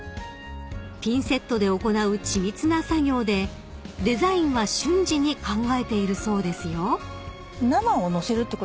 ［ピンセットで行う緻密な作業でデザインは瞬時に考えているそうですよ］